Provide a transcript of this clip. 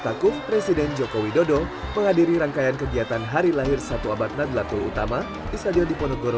dalam pidatonya jokowi berpesan agar islam nusantara bisa terus dilestarikan sesuai ajaran para leluhur